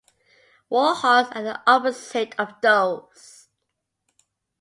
War hawks are the opposite of doves.